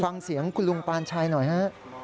ฟังเสียงคุณลุงปานชัยหน่อยฮะ